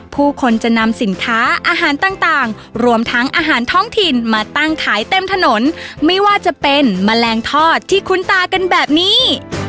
ผู้คนจะนำสินค้าอาหารต่างรวมทั้งอาหารท้องถิ่นมาตั้งขายเต็มถนนไม่ว่าจะเป็นแมลงทอดที่คุ้นตากันแบบนี้